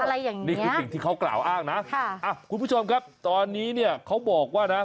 อะไรอย่างนี้ค่ะคุณผู้ชมครับตอนนี้เขาบอกว่านะ